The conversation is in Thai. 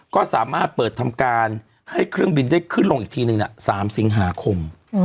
ก็สามารถเปิดทำการให้เครื่องบินได้ขึ้นลงอีกทีนึง๓สิงหาคม